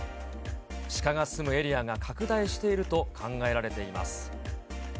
シカが住むエリアが拡大していると考えられています。